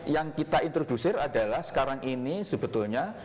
yang kita introdusir adalah sekarang ini sebetulnya